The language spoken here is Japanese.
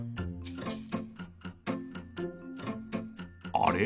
あれ？